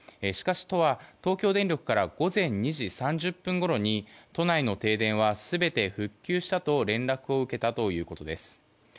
しかし、都は東京電力から午前２時３０分ごろに都内の停電は全て復旧したと連絡を受けたということです。